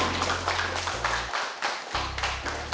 yang dimana setiap kelas harus bisa menghadirkan penyanyi